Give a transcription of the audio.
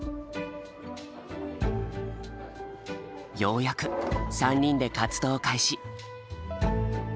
ようやく３人で活動開始。